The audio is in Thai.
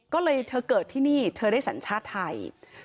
ก็เลยเธอเกิดที่นี่เธอได้สัญชาติไทย